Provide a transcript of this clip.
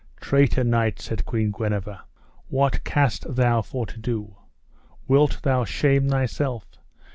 Traitor knight, said Queen Guenever, what cast thou for to do? Wilt thou shame thyself?